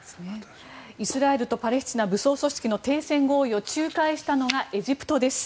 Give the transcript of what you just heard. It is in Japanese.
イスラエルとパレスチナ武装組織の停戦合意を仲介したのがエジプトです。